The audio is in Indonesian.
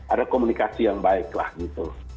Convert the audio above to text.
ada komunikasi yang baik lah gitu